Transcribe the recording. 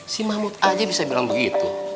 si mahmud aja bisa bilang begitu